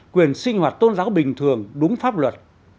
quyền sinh hoạt tôn giáo bình thường đúng pháp luật